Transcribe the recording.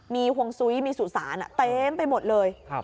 มีห่วงซุ้ยมีสุสานเต็มไปหมดเลย